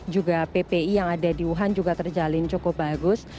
juga ppi yang ada di wuhan juga terjalin cukup bagus